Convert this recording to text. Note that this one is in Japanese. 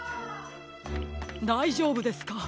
だいじょうぶですか？